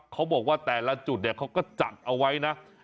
เขาบอกว่าแต่ละจุดเนี่ยเขาก็จัดเอาไว้นะ